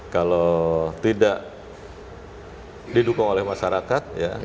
kalau tidak didukung oleh masyarakat